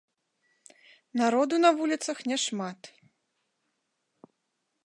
Народу на вуліцах няшмат.